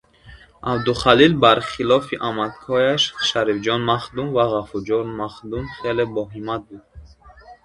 Абдухалил бар хилофи амакҳояш – Шарифҷон-махдум ва Ғафурҷон-махдум хеле боҳиммат буд.